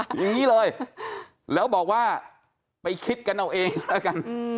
อย่างนี้เลยแล้วบอกว่าไปคิดกันเอาเองแล้วกัน